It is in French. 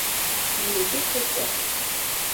Il était chrétien.